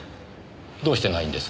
どうしてないんです？